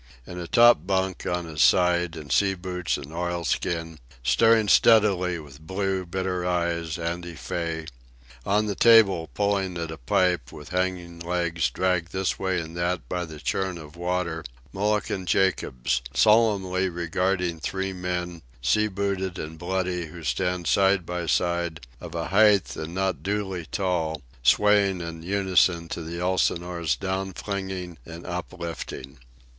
In a top bunk, on his side, in sea boots and oilskins, staring steadily with blue, bitter eyes, Andy Fay; on the table, pulling at a pipe, with hanging legs dragged this way and that by the churn of water, Mulligan Jacobs, solemnly regarding three men, sea booted and bloody, who stand side by side, of a height and not duly tall, swaying in unison to the Elsinore's down flinging and up lifting.